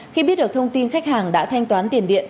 khi biết được thông tin khách hàng đã thanh toán tiền điện